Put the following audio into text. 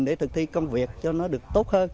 để thực thi công việc cho nó được tốt hơn